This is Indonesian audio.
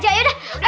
sampai di argentina